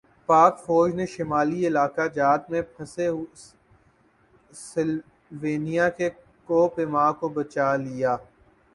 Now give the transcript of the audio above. پاک فوج نے شمالی علاقہ جات میں پھنسے سلوینیا کے کوہ پیما کو بچالیا